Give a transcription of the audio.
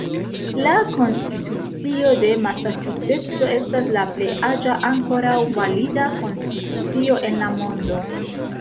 La Konstitucio de Masaĉuseco estas la plej aĝa ankoraŭ valida konstitucio en la mondo.